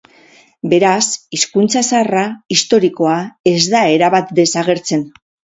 Beraz, hizkuntza zaharra, historikoa, ez da erabat desagertzen.